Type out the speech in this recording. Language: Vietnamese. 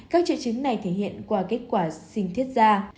các triệu chứng này thể hiện qua kết quả sinh thiết ra